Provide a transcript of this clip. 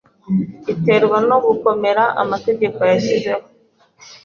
iterwa no kugomera amategeko yashyizeho.